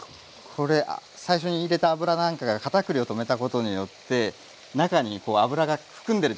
これ最初に入れた油なんかが片栗をとめたことによって中に油が含んでる状態になってますよね。